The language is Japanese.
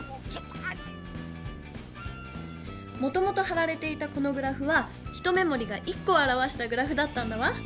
もともとはられていたこのグラフは一目もりが１こをあらわしたグラフだったんだわ。